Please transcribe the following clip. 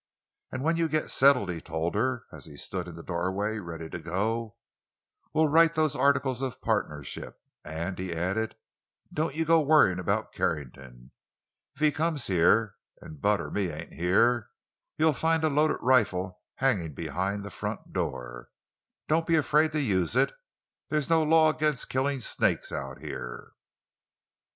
"And when you get settled," he told her, as he stood in the doorway, ready to go, "we'll write those articles of partnership. And," he added, "don't you go to worrying about Carrington. If he comes here, and Bud or me ain't here, you'll find a loaded rifle hanging behind the front door. Don't be afraid to use it—there's no law against killing snakes out here!"